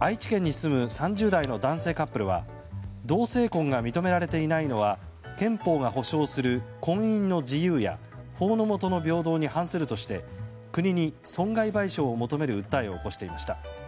愛知県に住む３０代の男性カップルは同性婚が認められていないのは憲法が保障する婚姻の自由や法の下の平等に反するとして国に損害賠償を求める訴えを起こしていました。